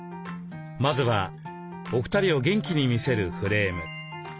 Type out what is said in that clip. まずはお二人を元気に見せるフレーム。